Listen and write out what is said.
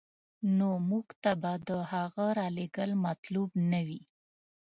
نو موږ ته به د هغه رالېږل مطلوب نه وي.